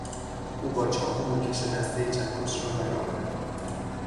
او با چاقو روکش دستهی چکش را ور آورد.